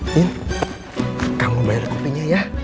min kang mau bayar kopinya ya